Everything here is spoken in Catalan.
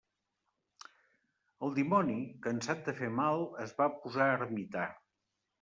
El dimoni, cansat de fer mal, es va posar ermità.